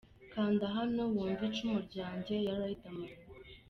Kanda hano wumve ‘Icumu Ryanjye’ ya Riderman.